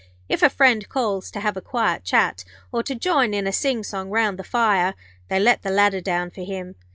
If a friend calls to have a quiet chat, or to join in a sing song round the fire, they let the ladder down for him.